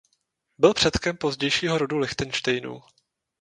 Byl předkem pozdějšího rodu Lichtenštejnů.